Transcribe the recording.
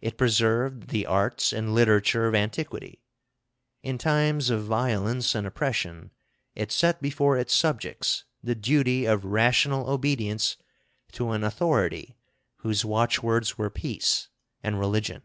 It preserved the arts and literature of antiquity. In times of violence and oppression, it set before its subjects the duty of rational obedience to an authority whose watchwords were peace and religion.